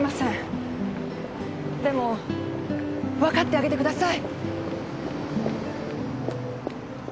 でも分かってあげてください。